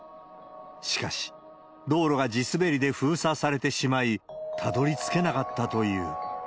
しかし、道路が地滑りで封鎖されてしまい、たどりつけなかったという。